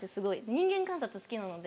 人間観察好きなので。